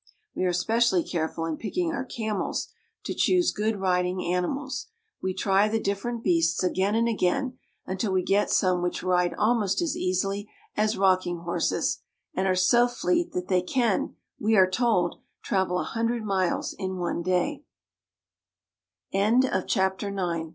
We are especially careful, in picking our camels, to choose good riding animals. We try the different beasts again and again, until we get some which ride almost as easily as rocking horses, and are so fleet that they can, we are told, tr